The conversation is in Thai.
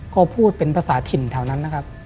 ก็พูดเป็นภาษาถิ่นแถวนั้น